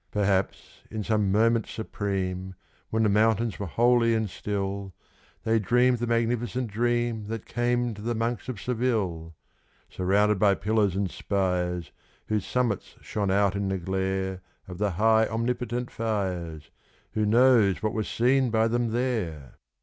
Perhaps in some moment supreme, when the mountains were holy and still, They dreamed the magnificent dream that came to the monks of Seville! Surrounded by pillars and spires whose summits shone out in the glare Of the high, the omnipotent fires, who knows what was seen by them there?